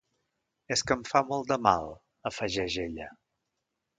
És que em fa molt de mal —afegeix ella.